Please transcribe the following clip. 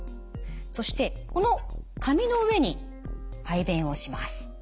そしてこの紙の上に排便をします。